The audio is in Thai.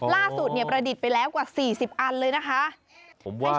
ประดิษฐ์ไปแล้วกว่า๔๐อันเลยนะคะ